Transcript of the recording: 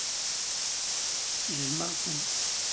Jjmeɣ-ten.